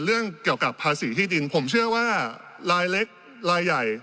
เรื่องเกี่ยวกับภาษีที่ดินผมเชื่อว่าลายเล็กลายใหญ่